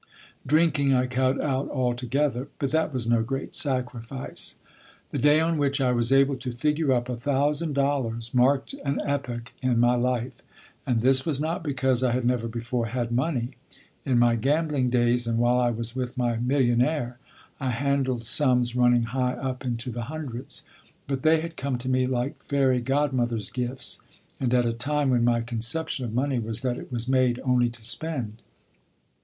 Drinking I cut out altogether, but that was no great sacrifice. The day on which I was able to figure up a thousand dollars marked an epoch in my life. And this was not because I had never before had money. In my gambling days and while I was with my millionaire I handled sums running high up into the hundreds; but they had come to me like fairy godmother's gifts, and at a time when my conception of money was that it was made only to spend.